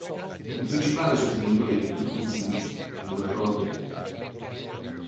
Il principale sostenitore di questo punto di vista, il dott.